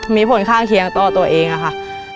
มีผลข้างเคียงต่อตัวเองค่ะ